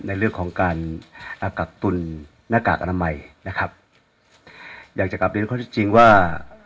ในเรื่องของการอากักตุลนากากอนามัยนะครับอยากจะกลับไปด้วยข้อจริงจริงว่า